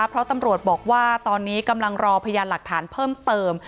เพราะตำรวจบอกว่าตอนนี้กำลังรอพยานหลักฐานเพิ่มเติม